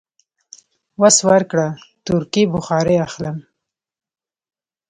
وس ورکړ، تورکي بخارۍ اخلم.